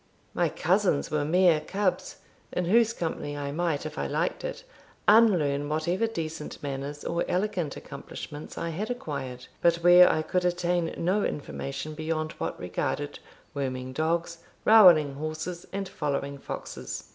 My cousins were mere cubs, in whose company I might, if I liked it, unlearn whatever decent manners, or elegant accomplishments, I had acquired, but where I could attain no information beyond what regarded worming dogs, rowelling horses, and following foxes.